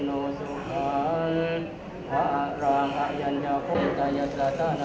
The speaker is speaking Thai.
ทุติยังปิตพุทธธาเป็นที่พึ่ง